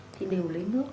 thì đều lấy nước